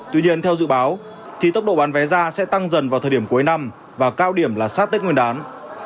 tuy nhiên theo dự báo thì tốc độ bán vé ra sẽ tăng dần vào thời điểm cuối năm và cao điểm là sát tết nguyên đán